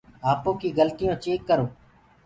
آپو ڪيٚ گلتٚيونٚ چيڪ ڪرو۔